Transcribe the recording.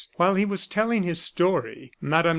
While he was telling his story, Mme.